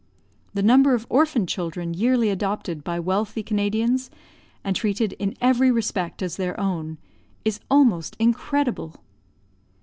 The number of orphan children yearly adopted by wealthy Canadians, and treated in every respect as their own, is almost incredible.